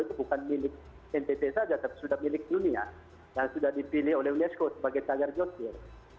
itu bukan milik ntt saja sudah milik dunia dan sudah dipilih oleh unesco sebagai tajar justir